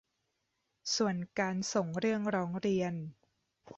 ส่วนการส่งเรื่องร้องเรียน